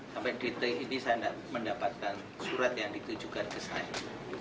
sampai detik ini saya tidak mendapatkan surat yang ditujukan ke saya